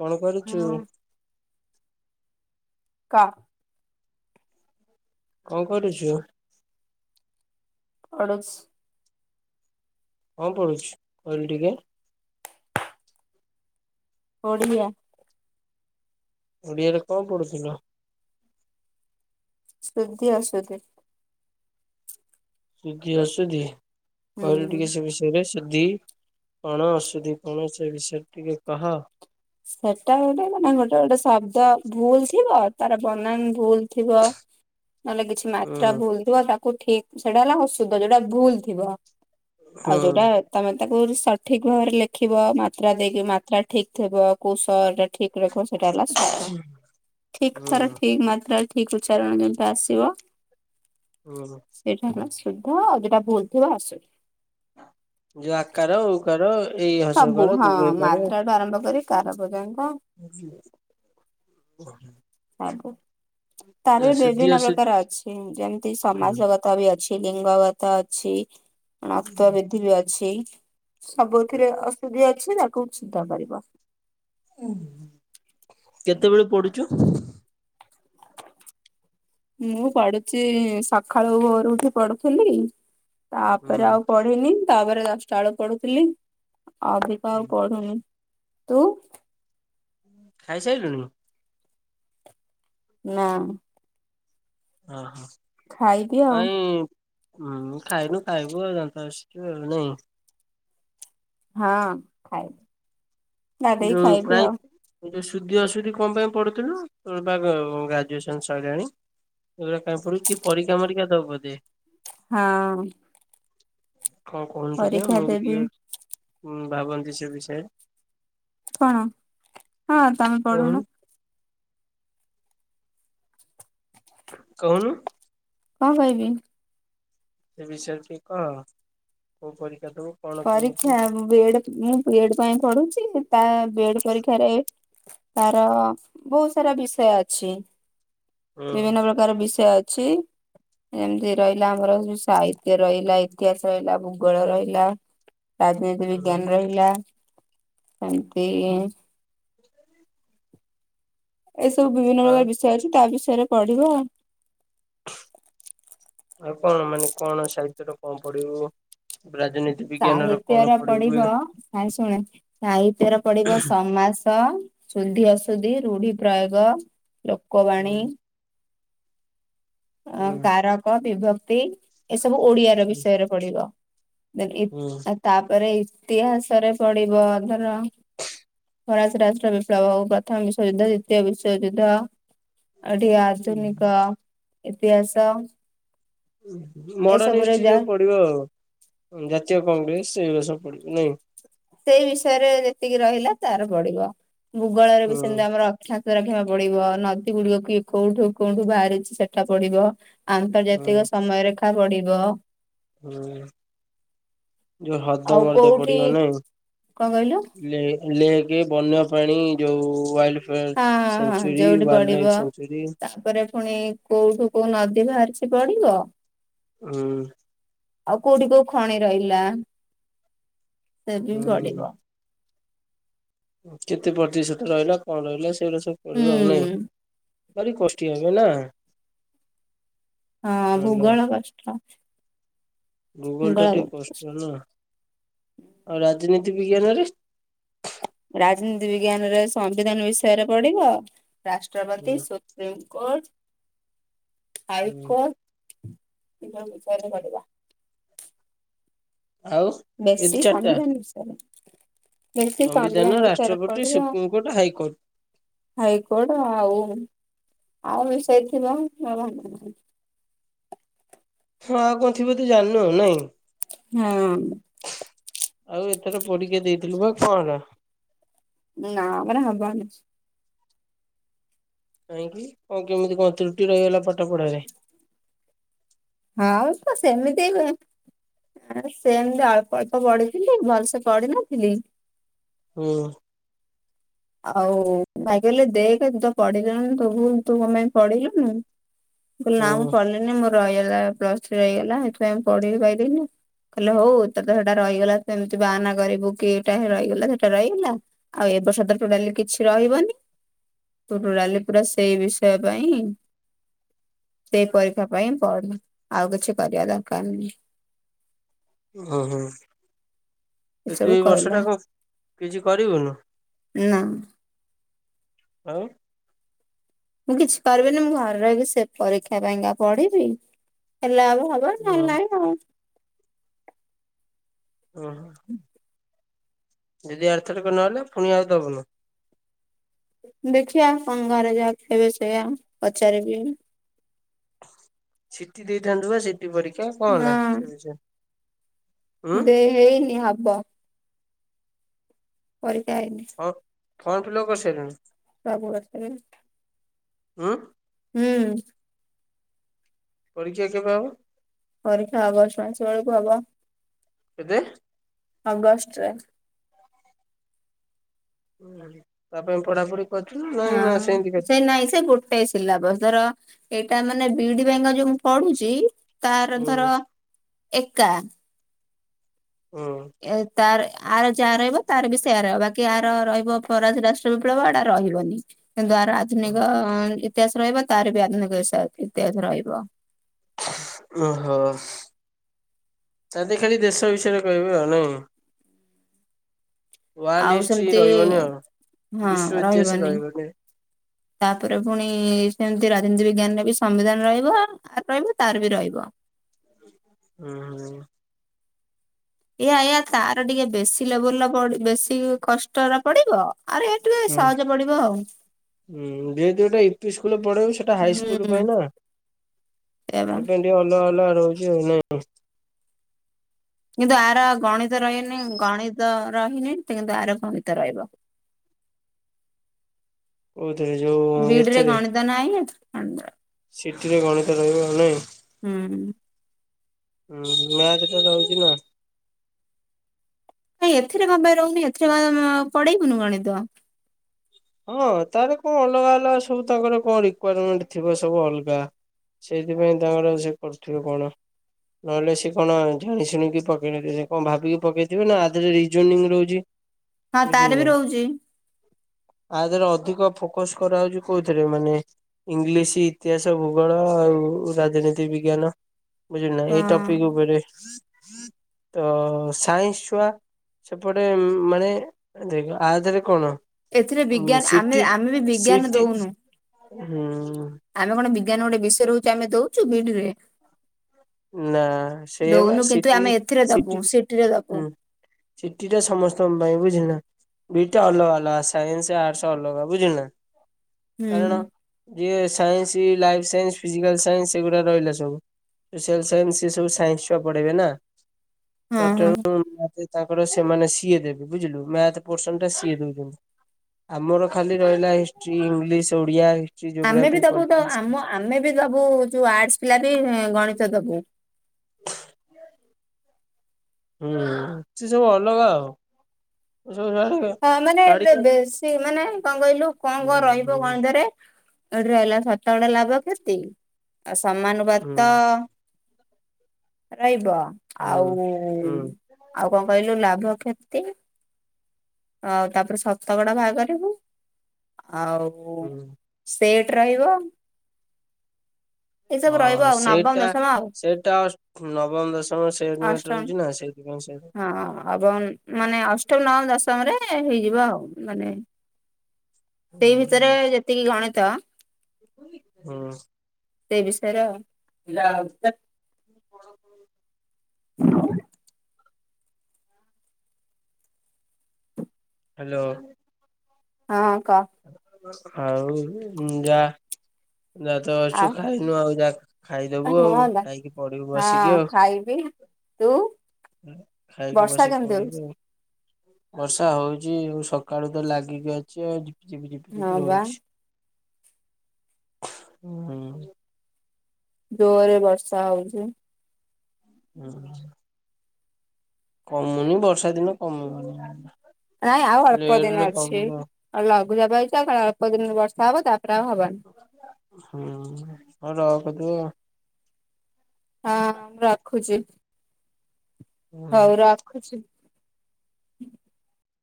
କଣ କରୁଛୁ? ହଁ କହ? କଣ କରୁଛୁ? ପଢୁଛି। କଣ ପଢ଼ୁଛୁ କହିଲୁ ଟିକେ? ଓଡ଼ିଆ। ଓଡିଆରେ କଣ ପଢୁଥିଲ? ଶୁଦ୍ଧି ଅଶୁଦ୍ଧି। ଶୁଦ୍ଧି, ଅଶୁଦ୍ଧି କହିଲୁ ହୁଁ। ଟିକେ ସେ ବିଷୟରେ? ରେ ଶୁଦ୍ଧି କଣ ଅଶୁଦ୍ଧି କଣ ସେ ବିଷୟରେ ଟିକେ କହ? ସେଟା ଗୋଟେ ମାନେ ଗୋଟେ ଗୋଟେ ଶବ୍ଦ ଭୁଲ ଥିବ ତାର ବନାନ ଭୁଲ ଥିବ। ନହେଲେ କିଛି ହୁଁ ମାତ୍ରା ଭୁଲ ଥିବ ତାକୁ ଠିକ ସେଇଟା ହେଲା ଅଶୁଦ୍ଧ ଯୋଉଟା ଭୁଲ ଥିବ। ଆଉ ହୁଁ ଯୋଉଟା ତମେ ତାକୁ ସଠିକ ଭାବରେ ଲେଖିବ ମାତ୍ରା ଦେଇକି ମାତ୍ରା ଠିକ ଥବ। କୋଉ ସ ଟା ଠିକ ରଖିବ ସେଟା ହେଲା ଶୁଦ୍ଧ ଠିକ ହୁଁ ଥର ଠିକ ମାତ୍ରା ଠିକ୍ ଉଚ୍ଚାରଣ ଯେମିତି ଆସିବ। ହୁଁ ହୁଁ। ଏଇଟା ହେଲା ଶୁଦ୍ଧ ଆଉ ଯୋଉଟା ଭୁଲ ଥିବ ଅଶୁଦ୍ଧ। ଯୋଉ ଆକାର, ଉକାର ଏଇ ସବୁ ହସଉକାର, ହଁ ଦୁଗଇକାର ମାତ୍ରାଠୁ ଆରମ୍ଭ କରି କାର ପର୍ଯ୍ୟନ୍ତ। ତାକୁ କାର ବି ସୁଧି ବିଭିନ୍ନ ଅସୁଧି ପ୍ରକାର ଅଛି। ହୁଁ ଯେମିତି ସମାଜଗତ ବି ଅଛି ଲିଙ୍ଗଗତ ଅଛି ନକ୍ତ ବିଧି ବି ଅଛି ସବୁଥିରେ ଅଶୁଦ୍ଧି ଅଛି ତାକୁ ଶୁଦ୍ଧ କରିବ। ହୁଁ କେତେବେଳେ ପଢ଼ୁଛୁ? ମୁଁ ପଢୁଛି ସକାଳୁ ଭୋରୁ ଉଠି ପଢୁଥିଲି ହୁଁ ତାପରେ ଆଉ ପଢିନି ତାପରେ ଦଶଟା ବେଳେ ପଢୁଥିଲି ଅବିକା ଆଉ ପଢୁନି। ତୁ? ଖାଇସାରିଲୁଣି? ନା। ହ, ହ ଖାଇବି ଆଉ କାଇଁ? ହୁଁ ଖାଇନୁ ଖାଇବୁ ଆଉ ଦାନ୍ତ ଘଷିକି ଆଉ ନାଇଁ? ହଁ ଖାଇବି। ଗାଧେଇ ଯୋଉ ଖାଇବି ପ୍ରାଇ ଆଉ। ଯୋଉ ଶୁଦ୍ଧି, ଅଶୁଦ୍ଧି କଣ ପାଇଁ ପଢୁଥିଲୁ ତୋର ବା ଗ୍ରାଜୁଏସନ ସରିଲାଣି। ଏଗୁଡାକ କାଇଁ ପଢ଼ୁଚୁ କି ପରୀକ୍ଷା ମରିକ୍ଷା ଦବୁ ବୋଧେ? ହଁ। କଣ କହୁନ୍ତୁ ଟିକେ ପରୀକ୍ଷା ମୁଁ ବି ଦେବି ଟିକେ ଉଁ ଭାବନ୍ତି ସେ ବିଷୟରେ। କଣ ହଁ ତମେ କହୁନୁ ପଢୁନ। କହୁନ କଣ କହିବି? ସେ ବିଷୟରେ ଟିକେ କହ କୋଉ ପରୀକ୍ଷା ଦବୁ। କଣ କେମିତି ପରୀକ୍ଷା ମୁଁ ବି ଡ ମୁଁ ବି ଡ ପାଇଁ ପଢୁଛି ତା ବି ଡ ପରୀକ୍ଷାରେ ତାର ବହୁତ ସାରା ବିଷୟ ଅଛି ହୁଁ ବିଭିନ୍ନ ପ୍ରକ ତାର ବିଷୟ ଅଛି। ଏମିତି ରହିଲା ଆମର ସାହିତ୍ୟ ରହିଲା ଇତିହାସ ରହିଲା ଭୂଗୋଳ ରହିଲା। ରାଜନୀତି ହୁଁ ବିଜ୍ଞାନ ରହିଲା ସେମିତି। ଏସବୁ ବିଭିନ୍ନ ଆଉ ପ୍ରକାର ବିଷୟ ଅଛି ତା ବିଷୟରେ ପଢିବ ଆଉ। ଆଉ କଣ ମାନେ କଣ ସାହିତ୍ୟଟ କଣ ପଢିବୁ ରାଜନୀତି ବିଜ୍ଞାନ ର କଣ ସାହିତ୍ୟର ପଢିବୁ ହୁଁ ପଢିବ ସାଇ ଶୁଣ ସାହିତ୍ୟର ପଡିବ ସମାସ। ସୁନ୍ଧି ଅସୁଧି ରୁଢି ପ୍ରୟୋଗ ହୁଁ ଲୋକବାଣୀ। ଅ କାରକ ବିଭକ୍ତି ଏସବୁ ଓଡିଆ ର ବିଷୟରେ ପଡିବ। ଦେନ ହୁଁ। ଇ ତାପରେ ଇତିହାସରେ ପଡିବ ଧର ଫରାଶ ରାଷ୍ଟ୍ର ବିପ୍ଳବ ହଉ ପ୍ରଥମ ବିଶ୍ୱଵଯୁଦ୍ଧ ଦ୍ୱିତୀୟ ବିଶ୍ୱଯୁଦ୍ଧ। ଆଟି ଆଧୁନିକ ଇତିହାସ। ମଡର୍ଣ ଏସବୁରେ ହିଷ୍ଟ୍ରି ଯାହା ଯୋଉ ପଡିବ ଆଉ ଜାତୀୟ କଂଗ୍ରେସ ସେଇଭଳି ସବୁ ପଡିବ ନାଇଁ। ସେଇ ବିଷୟରେ ଯେତିକି ରହିଲା ତାର ପଡିବ ଭୂଗୋଳରେ ବି ହୁଁ ସେମିତି ଆମର। [unintelligible] ପଡିବ ନଦୀ ଗୁଡିକ କି କୋଉଠୁ କୋଉଠୁ ବାହାରିଛି ସେଠା ପଡିବ। ହୁଁ ଆନ୍ତର୍ଜାତିକ ସମୟରେଖା ବଢିବ। ହୁଁ। ଯୋଉ ହ୍ରଦ ଆଉ ମର୍ଦ କୋଉଠି ପଡିବ ନାଇଁ କଣ କହିଲୁ [unintelligible] ଲେକ ବନ୍ୟାପାଣି ଯୋଉ ୱାଇଲଡ [unintelligible] ହଁ ହଁ ସେଚୁରୀ ଯୋଉଠି ୱାଇଲ୍ଡ ପଡିବ ଲାଇ ସେଚୁରୀ। ତାପରେ ପୁଣି କୋଉଠୁ କୋଉ ନଦୀ ବାହାରିଛି ପଡିବ। ହୁଁ। ଆଉ କୋଉଠି କୋଉ ଖଣି ରହିଲା ସେ ବି ପଡିବ। ହୁଁ କେତେ ପ୍ରତିଶତ ରହିଲା କଣ ରହିଲା ସେଗୁଡ଼ା ସବୁ ହୁଁ ପଡ଼ିବ ଆଉ। ନାଇଁ? ଭାରି କଷ୍ଟି ଲାଗେ ନା? ହଁ ଭଲ। ଭୂଗୋଳ କଷ୍ଟ। ଭୁଗଲ ଟା ଟିକେ କଷ୍ଟ ନା ଆଉ ରାଜନୀତି ବିଜ୍ଞାନରେ? ରାଜନୀତି ବିଜ୍ଞାନରେ ସମ୍ବିଧାନ ବିଷୟରେ ପଢିବ ରାଷ୍ଟ୍ରପତି। ହୁଁ ସ ସୁପ୍ରିମକୋର୍ଟ ହୁଁ ହାଇକୋର୍ଟ। [unintelligible] ବିଷୟରେ ପଡିବା। ଆଉ। ଏ ବେଶି ଚାରିଟା ସମ୍ବିଧାନ ବିଷୟରେ ସେମିତି ସମ୍ବିଧାନ ବିଷୟରେ ରାଷ୍ଟ୍ରପତି ପଡିବ। ସୁପ୍ରିମକୋର୍ଟ ହାଇକୋର୍ଟ ହାଇକୋଟ ଆଉ ଆଉ ମିଶାଇଥିବ। [unintelligible] ହଁ ଆଉ କଣ ଥିବ ତୁ ଜାଣିନୁ ନାଇଁ? ହୁଁ। ଆଉ ଏଥର ପରକ୍ଷା ଦେଇଥିଲୁ ବା କଣ? ନାଁଁ ମୋର ହବନି। କାହିଁକି କଣ କେମିତି କଣ ତ୍ରୁଟି ରହିଗଲା ପାଠ ପଢାରେ? ଆଉ ତ ସେମିତି ଆ ସେ ଏମତି ଅଳ୍ପ ଅଳ୍ପ ବଢିଥିଲି ଭଲସେ ପଢିନଥିଲି। ହୁଁ। ଆଉ ଭାଇ କହିଲେ ଦେଖେ ତୁ ତ ପଢିଲୁନୁ ତୁ ତୁ କଁ ପାଇଁ ପଢିଲୁନୁ। କହିଲି ହୁଁ ନା ମୁଁ ପଢିଲିନି ମୋର ରହିଗଲା ପ୍ଲସ ଥ୍ରୀ ରହିଗଲା ହେଥିପାଇଁ ମୁଁ ପଢିବି ପାଇଲିନି। କହିଲେ ହଉ ତୁତ ସେଇଟା ରହିଗଲା ସେମିତି ବାହାନା କରିବୁ କି ଏଟା ରହିଗଲା ସେଟା ରହିଗଲା। ଆଉ ଏ ବସ ତ ଟୋଟାଲି କିଛି ରହିବନି ତ ଟୋଟାଲି ପୁରା ସେଇ ବିଷୟ ପାଇଁ ସେଇ ପରୀକ୍ଷା ପାଇଁ ପଢ଼, ଆଉ କିଛି କରିବା ଦରକାର ନାଇଁ। ଓ ହୋ, ଏ ଏସବୁ ତୁ ଏଇ ବର୍ଷ କହିଲା ଟା କଣ କିଛି କରିବୁନୁ? ନା। ଆଉ ମୁଁ କିଛି କରିବିନି ମୁଁ ଘରେ ରହିକି ସେ ପରୀକ୍ଷା ପାଇଁକା ପଢିବି ହେଲା ହବ ଆଉ। ହଁ ନହେଲେ ନାଇଁ ଆଉ। ଉଁ ହୁଁ। ଯଦି ଆର୍ଥରକ ନହେଲା ପୁଣି ଆଉ ଦବୁନୁ। ଦେଖିଆ କଁ ଘରେ ଯାହା କହିବେ ସେଇଆ ପଚାରିବି। ସିଟି ଦେଇଥାନ୍ତୁ ବା ସିଟି ପରୀକ୍ଷା କଣ ହେଲା ହଁ ସେ ବିଷୟରେ? ଉଁ ଦେ ହେଇନି ହବ। ପରିକା ହେଇନି। ଅ ଫମ ଫିଲପ କରିସାଇଲୁଣି। ସବୁ ବର୍ଷ ରେ। ଉଁ। ହୁଁ। ପରୀକ୍ଷା କେବେ ହବ? ପରୀକ୍ଷା ଅଗଷ୍ଟ ପନ୍ଦ୍ ଷୋଳ କୁ ହବ। କେତେ? ଅଗଷ୍ଟ୍ରେ। ତା ପାଇଁ ପଢାପଢି କରିଥିଲୁ ନାଇଁ ନା ହଁ ସେମିତି ଖାଲି ସେ ନାଇଁ ସେ ଗୋ ଗୋଟେଏ ସିଲାବସ ଧର ଏଇଟା ମାନେ ବିଡି ପାଇଁକା ଯୋଉ ମୁଁ ପଢୁଚି ତାର ଧର ହୁଁ ଏକା। ଉଁ। ଏ ତାର ଆର ଯାହା ରହିବ ତାର ବି ସେୟଆ ରହିବ ବା କି ଆର ରହିବ ପରା ରାଷ୍ଟ୍ର ବିପ୍ଳବ ଏଡା ରହିବନି କିନ୍ତୁ ଆର ଆଧୁନିକ ଇତିହାସ ରହିବ ତାର ବି ଆଧୁନିକ ଇସା ଇତିହାସ ରହିବ। ଓହୋ। ତାଦେ ଖାଲି ଦେଶ ବିଷୟରେ କହିବେ ଆଉ ନାଇଁ। ୱାର୍ଲଡ ଆଉ ହିଷ୍ଟ୍ରି ସେମିତି ରହିବନି ଆଉ ବିଶ୍ଵ ଇତିହାସ ରହିବନି। ତାପରେ ପୁଣି ସେମିତି ରାଜନୀତି ବିଜ୍ଞାନରେ ବି ସମ୍ବିଧାନ ରହିବ। ଆର ରହିବ ତାର ବି ରହିବ। ଉଁ ହୁଁ। ଏୟା ଏୟା ତାର ଟିକେ ବେଶୀ ଲେବୁଲ ପ ବେଶୀ କଷ୍ଟର ପଡିବ ଆର ଏ ସହଜ ପଡିବ ଆଉ। ଉଁ ଯେହେତୁ ଏଟା ଇ ପି ସ୍କୁଲରେ ପଢେଇବ ସେଟା ହାଇ ସ୍କୁଲ ପାଇଁ ନା। ଏବେ- ଏ ଟ ଅଲଗା ଅଲଗା ରହୁଛି ଆଉ ନାଇଁ? କିନ୍ତୁ ଆର ଗଣିତ ରହିନି ଗଣିତ ରହିନି କିନ୍ତୁ ଆର ଗଣିତ ରହିବ। [inaudible] କୋଉଥିରେ ଯୋଉ ବିଡରେ ଏଥିରେ ଗଣିତ ନାହିଁ? ସିଟିରେ ଗଣିତ ରହିବ ନାଇଁ। ହୁଁ। ହୁଁ ମ୍ୟାଚ ଟା ରହୁଛି ନା। ଭାଇଁ ଏଥିରେ କନ ପାଇଁ ରହୁନି ଏଥିରେ ପଡେନି ଗଣିତ- ହଁ ତାର କଣ ଅଲଗା ଅଲଗା ସବୁ ତାଙ୍କର କଣ ରିକାରମେଣ୍ଟ ଥିବ ସବୁ ଅଲଗା। ସେଇଥିପାଇଁ ତାଙ୍କର ସେ କରୁଥିଲେ କଣ? ନହେଲେ ସେ କଣ ଜାଣି ଶୁଣିକି ପକେଇ ନ ସେ କଣ ଭାବିକି ପକେଇଥିବେ ନା ଆରେ ରିଜନିଁ ରହୁଛି। ହଁ ବୁଝିଲୁ ତାର ନା ବି ରହୁଛି। ଆ ଦେହରେ ଅଧିକ ଫୋକସ କରାହେଉଛି କୋଉଥିରେ? ମାନେ ଇଂଲିଶ, ଇତିହାସ, ଭୂଗୋଳ ଆଉ ରାଜନୀତି ବିଜ୍ଞାନ। ବୁଝିଲ ନା ଏଇ ହଁ। ଟପିକ ଉପରେ। ତ ସାଇନ୍ସ ଛୁଆ ସେପଟେ ମାନେ ଦେଖ ଆଧରେ କଣ। ଏଥିରେ ହଁ ବିଜ୍ଞାନ ଆମେ ସିଟିି ଆମେ ବି ବିଜ୍ଞାନ ସିଟିି ଦଉନୁ ହୁଁ। ଆମେ କଣ ବିଜ୍ଞାନ ଗୋଟେ ବିଷୟ ରହିଛି ଆମେ ଦଉଛୁ ବିଇଡି ରେ। ନା ସେଇ ବା ଦଉନୁ କିନ୍ତୁ ସିଟି ଆମେ ଏଥିରେ ଦବୁ ସିଟି ସିଟିରେ ଦବୁ ହୁଁ। ସିଟି ଟା ସମସ୍ତଙ୍କ ପାଇଁ ବୁଝିଲ। ଦିଟା ଅଲଗା ଅଲଗା ସାଇନ୍ସ, ଆର୍ଟସ ଅଲଗା ବୁଝିଲ ନା। ହୁଁ କାରଣ ଇଏ science, life science, physical science ସେଗୁଡା ରହିଲା ସବୁ। ସୋସିଆଲ ସାଇନ୍ସ ସବୁ ସାଇନ୍ସ ଛୁଆ ପଢେଇବେ ନା। ହଁ ତ ହଁ ତାଙ୍କର ସେମାନେ ସିଏ ଦେବେ ବୁଝିଲୁ ମ୍ୟାଥ ପର୍ସନ ଟା ସିଏ ଦଉଛନ୍ତି। ଆମର ଖାଲି ରହିଲା ହିଷ୍ଟ୍ରି, ଇଂଲିଶ, ଓଡିଆ। ଆମେ ବି ଜୋଗ୍ରାଫି ଦବୁ ତ ପଲିଟିକାଲ ଆମ ସାଇନ୍ସ ଆମେ ବି ଦବୁ ଯୋଉ ଆର୍ଟସ ପିଲା ବି ଗଣିତ ଦବୁ। ହୁଁ ଅଛି ସବୁ ଅଲଗା ଆଉ। ସବୁ ଛାଡିକି ହଁ ମାନେ ଏ ଛାଡିକି ବେଶୀ ମାନେ କଣ କହିଲୁ କଣ କଣ ହୁଁ ରହିବ ହୁଁ ଗଣିତରେ। ଏଠି ରହିଲା ଶତକଡା, ଲାଭ କ୍ଷତି ଆଉ ସମାନୁ ପାତ। ହୁଁ ରହିବ ହୁଁ ଆଉ। ହୁଁ ଆଉ କଣ କହିଲୁ ଲାଭ କ୍ଷତି। ଆଉ ତାପରେ ଶତକଡା ଭାରକରିବୁ ଆଉ। ହୁଁ। ସେଟ୍ ରହିବ। ଏସବୁ ହଁ ରହିବ ଆଉ ନବମ ସେଇଟା ଦଶମ ଆଉ ସେଟ୍ ଟା ନବମ ଦଶମ ସେମଟ ଅଷ୍ଟମ ରହୁଛି ନା ସେଇଥିପାଇଁ ସେ। ହଁ ଏବଂ ମାନେ ଅଷ୍ଟମ ନବମ ଦଶମରେ ହେଇଯିବ ଆଉ ମାନେ। ସେଇ ଭିତରେ ଯେତିକି ଗଣିତ। ହଁ। ସେ ବିଷୟରେ ଆଉ। ଓ ହ। ହ୍ୟାଲୋ। ହଁ କହ। ଆଉ ଯା ଯ ତ ଅଛୁ ଆଉ ଖାଇନୁ ଆଉ ଯା। ଖାଇଦବୁ ଆଉ ହଁ ବା ଖାଇକି ପଡିବୁ ବସିକି ହଁ ଆଉ। ଖାଇବି ତୁ। ଖାଇକି ବର୍ଷା ବସି କେମିତି ହଉଛି? ପଡିବୁ ଆଉ। ବର୍ଷା ହଉଚି ଆଉ ସକାଳୁ ତ ଲାଗିକି ଅଛି ଆଉ ଝିପିଝିପି ହଁ ଝିପିଝିପି ବା ହଉଛି। ହୁଁ ଉଁ ଉ ଜୋରେ ବର୍ଷା ହଉଛି। ଆଁ ଆଛା। କମୁନି ବର୍ଷା ଦିନ କମିବନି। ନାଇଁ ଆଉ ଅଳ୍ପ ଦିନ ଲେଟରେ ଅଛି କମିବ ଲଘୁଚାପ ହେଇଛି ଆଉ ଅଳ୍ପ ଦିନି ବର୍ଷା ହବ ତାପରେ ଆଉ ହବନି। ହୁଁ ଆଉ ରଖ ତୁ ଆଉ। ହଁ ରଖୁଛି ହୁଁ। ହଉ ରଖୁଛି।